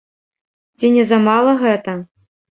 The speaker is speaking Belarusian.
Ці не замала гэта?